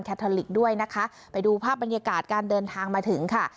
ทอลิกด้วยนะคะไปดูภาพบรรยากาศการเดินทางมาถึงค่ะ